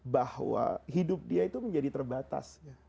bahwa hidup dia itu menjadi terbatas